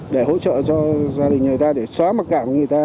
để hỗ trợ cho gia đình người ta để xóa mặc cảm của người ta